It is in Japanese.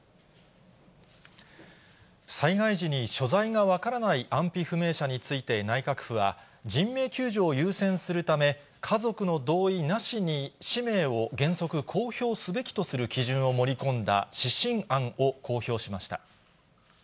災害時に所在が分からない安否不明者について内閣府は、人命救助を優先するため、家族の同意なしに氏名を原則公表すべきとする基準を盛り込んだ指針案を公表しました。